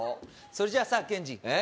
それじゃあさケンジ